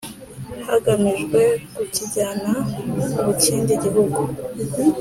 Hagamijwe Kukijyana Mu Kindi Gihugu